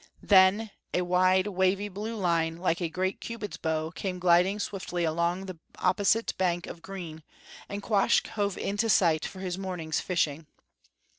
Then a wide, wavy, blue line, like a great Cupid's bow, came gliding swiftly along the opposite bank of green, and Quoskh hove into sight for his morning's fishing.